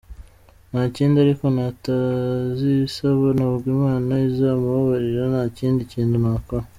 Nta kindi, ariko natazisaba nabwo Imana izamubabarira nta kindi kindi nakora.